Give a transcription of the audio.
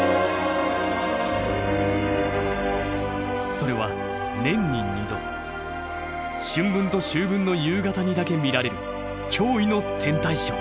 それは年に２度春分と秋分の夕方にだけ見られる驚異の天体ショー。